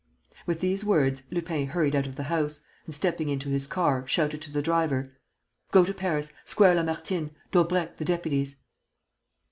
With these words, Lupin hurried out of the house and, stepping into his car, shouted to the driver: "Go to Paris, Square Lamartine, Daubrecq the deputy's!"